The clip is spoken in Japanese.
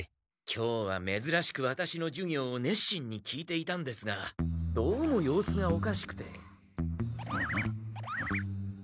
今日はめずらしくワタシの授業をねっしんに聞いていたんですがどうも様子がおかしくて。